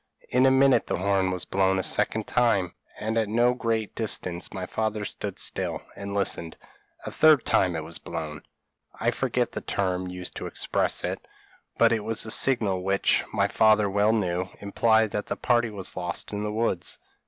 In a minute the horn was blown a second time, and at no great distance; my father stood still, and listened: a third time it was blown. I forget the term used to express it, but it was the signal which, my father well knew, implied that the party was lost in the woods.